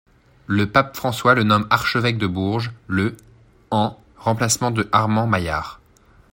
Le pape François le nomme archevêque de Bourges le en remplacement de Armand Maillard.